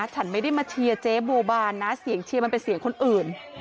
ฉันไม่ได้มาเชียร์เจ๊บัวบานนะเสียงเชียร์มันเป็นเสียงคนอื่น